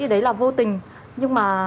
đấy là vô tình nhưng mà